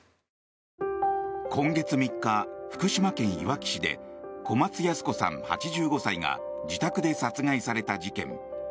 今月３日、福島県いわき市で小松ヤス子さん、８５歳が自宅で殺害された事件。